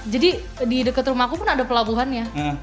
jadi di dekat rumah aku pun ada pelabuhan ya